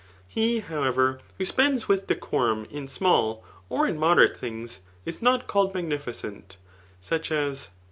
He, how ever, who spends with decorum in small, or in moderate thibgs^ is not called magnificent ; such as.